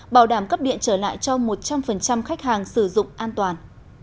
bảo đảm cấp điện trở lại cho một trăm linh khách hàng sử dụng an toàn